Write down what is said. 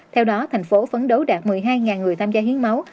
theo đó tp hcm phấn đấu đạt một mươi hai người tham gia hiến máu